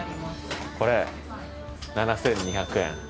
これ７，２００円。